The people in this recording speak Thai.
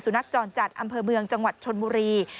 นักจรจัดอำเภอเมืองจังหวัดชนบุรี